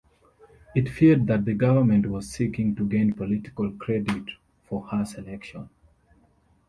It feared that the Government was seeking to gain political credit for her selection.